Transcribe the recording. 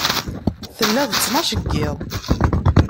Tella d ttnac n yiḍ.